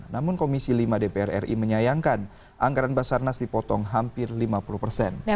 namun komisi lima dpr ri menyayangkan anggaran basarnas dipotong hampir lima puluh persen